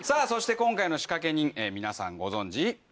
そして今回の仕掛け人皆さんご存じ